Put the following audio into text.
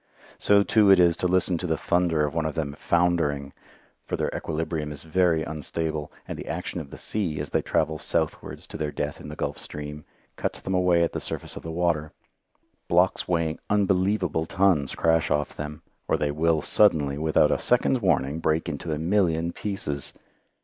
So too it is to listen to the thunder of one of them "foundering"; for their equilibrium is very unstable, and the action of the sea, as they travel southwards to their death in the Gulf Stream, cuts them away at the surface of the water. Blocks weighing unbelievable tons crash off them, or they will suddenly, without a second's warning, break into a million pieces.